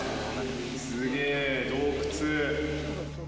すげえ、洞窟。